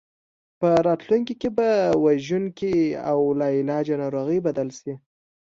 په راتلونکي کې په وژونکي او لاعلاجه ناروغۍ بدل شي.